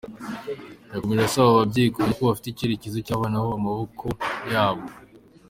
Yakomeje asaba ababyeyi kumenya ko bafite icyerekezo cy’abana babo mu maboko yabo.